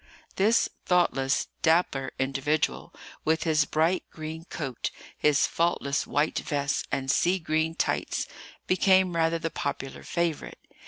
This thoughtless, dapper individual, with his bright green coat, his faultless white vest, and sea green tights, became rather the popular favourite.